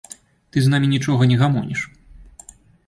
Ты з намі нічога не гамоніш.